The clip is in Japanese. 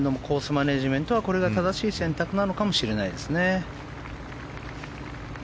マネジメントはこれが正しい選択なのかもしれないですね。